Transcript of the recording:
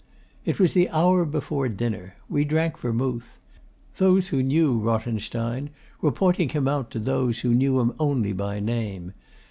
It was the hour before dinner. We drank vermouth. Those who knew Rothenstein were pointing him out to those who knew him only by name.